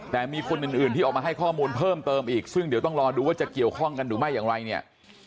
แต่มีคนอื่นที่ออกมาให้ข้อมูลเพิ่มเติมอีกซึ่งเดี๋ยวต้องรอดูว่าจะเกี่ยวข้องกันหรือไม่อย่างไรเนี่ย